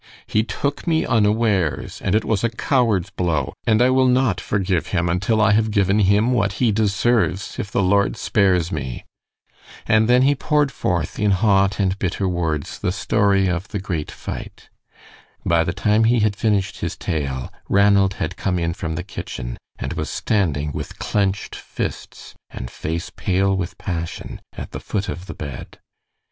"He took me unawares! And it was a coward's blow! and I will not forgive him until I have given him what he deserves, if the Lord spares me!" And then he poured forth, in hot and bitter words, the story of the great fight. By the time he had finished his tale Ranald had come in from the kitchen, and was standing with clenched fists and face pale with passion at the foot of the bed.